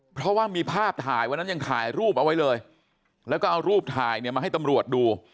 เพราะว่ามีภาพถ่ายวันนั้นยังถ่ายรูปเอาไว้เลยแล้วก็เอารูปถ่ายเนี่ยมาให้ตำรวจดู